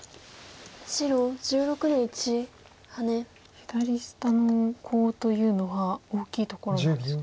左下のコウというのは大きいところなんですか。